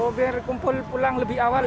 mau biar kumpul pulang lebih awal